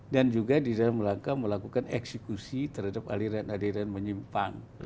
dan juga di dalam langkah melakukan eksekusi terhadap aliran aliran menyimpang